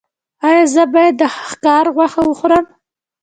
ایا زه باید د ښکار غوښه وخورم؟